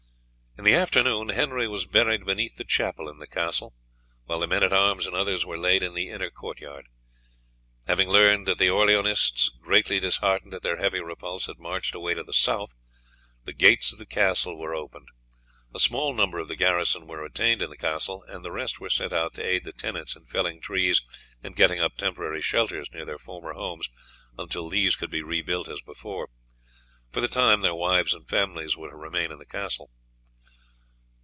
In the afternoon Henry was buried beneath the chapel in the castle, while the men at arms and others were laid in the inner court yard. Having learned that the Orleanists, greatly disheartened at their heavy repulse, had marched away to the south, the gates of the castle were opened. A small number of the garrison were retained in the castle, and the rest were sent out to aid the tenants in felling trees and getting up temporary shelters near their former homes until these could be rebuilt as before. For the time their wives and families were to remain in the castle.